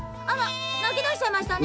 なきだしちゃいましたね。